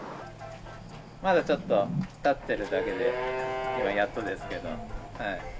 まだちょっと立ってるだけでやっとですけど。